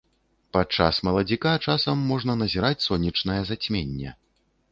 Падчас маладзіка часам можна назіраць сонечнае зацьменне.